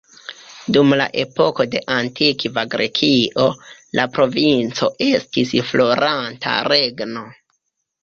Dum la epoko de antikva Grekio, la provinco estis floranta regno.